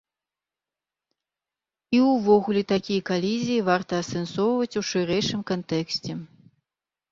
І ўвогуле такія калізіі варта асэнсоўваць у шырэйшым кантэксце.